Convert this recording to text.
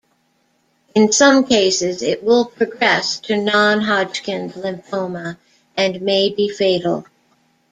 In some cases it will progress to non-Hodgkin's lymphoma and may be fatal.